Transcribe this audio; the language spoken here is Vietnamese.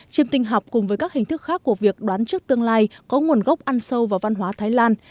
chiêm tinh học cùng với các hình thức khác của việc đoán trước tương lai có nguồn gốc ăn sâu vào văn hóa thái lan